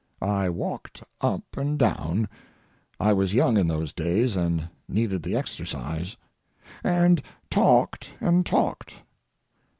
I walked up and down—I was young in those days and needed the exercise—and talked and talked.